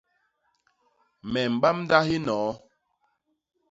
Me mbamda hinoo.